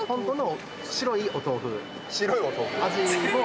白いお豆腐？